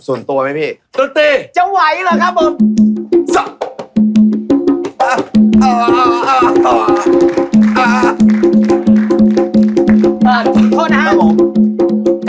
ออกงานออกคอนเซิทอะไรอย่างนี้อันนี้หน่อยครับ